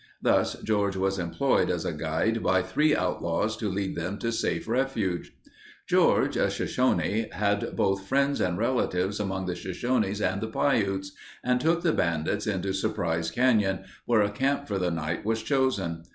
Thus George was employed as a guide by three outlaws to lead them to safe refuge. George, a Shoshone, had both friends and relatives among the Shoshones and the Piutes and took the bandits into Surprise Canyon where a camp for the night was chosen.